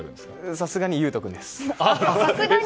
さすがに佑都君です。